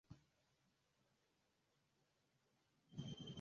Maadhimisho na Maisha yake yamekuwa msingi wa sikukuu mbalimbali